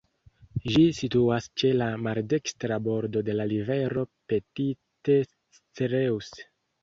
Ĝi situas ĉe la maldekstra bordo de la rivero Petite Creuse.